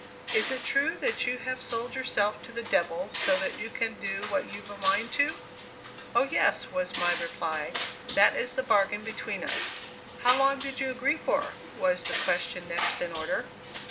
Is it true that you have sold yourself to the devil, so that you can do what you've a mind to?" "Oh, yes," was my reply, "that is the bargain between us." "How long did you agree for?" was the question next in order.